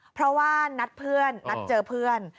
เพราะว่านัดเพื่อนนัดเจอเพื่อน